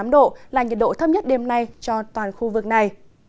hai mươi năm hai mươi tám độ là nhiệt độ thấp nhất đêm nay cho toàn khu vực này